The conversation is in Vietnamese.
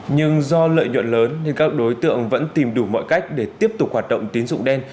nhưng do lợi nhuận lớn nên các đối tượng vẫn tìm đủ mọi cách để tiếp tục hoạt động tín dụng đen